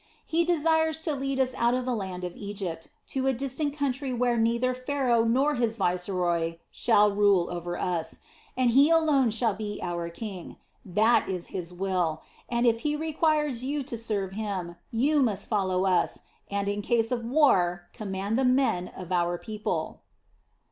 He desires to lead us out of the land of Egypt, to a distant country where neither Pharaoh nor his viceroy shall rule over us, and He alone shall be our king. That is His will, and if He requires you to serve Him, you must follow us and, in case of war, command the men of our people."